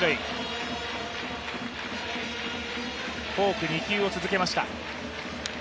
フォーク２球、続けました。